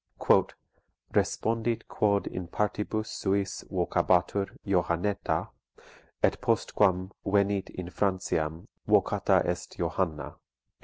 ["Respondit quod in partibus suis vocabatur Johanneta, et postquam venit in Franciam vocata est Johanna."